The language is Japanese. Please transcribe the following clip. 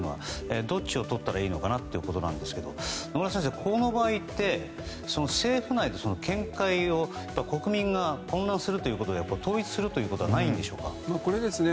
どっちをとったらいいのかなということですが野村先生、この場合って政府内で見解を国民が混乱するということで統一するということはないんでしょうか。